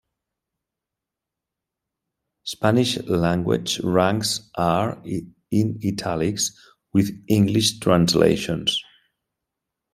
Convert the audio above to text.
Spanish language ranks are in italics, with English translations.